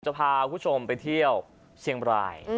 จะพาคุณผู้ชมไปเที่ยวเชียงบราย